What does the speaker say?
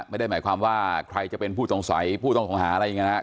ไม่ได้หมายความว่าใครจะเป็นผู้ต้องสัยผู้ต้องหาอะไรอย่างนี้นะครับ